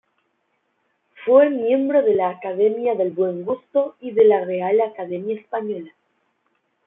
Fue miembro de la Academia del Buen Gusto y de la Real Academia Española.